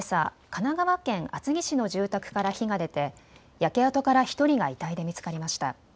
神奈川県厚木市の住宅から火が出て焼け跡から１人が遺体で見つかりました。